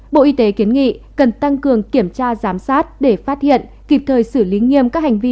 bộ y tế kiến nghị cần tăng cường kiểm tra giám sát để phát hiện kịp thời xử lý nghiêm các hành vi